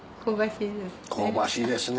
香ばしいですね。